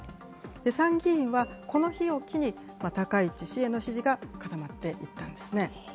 参議院はこの日を機に、高市氏への支持が固まっていったんですね。